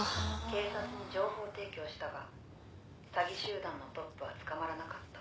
「警察に情報提供したが詐欺集団のトップは捕まらなかった」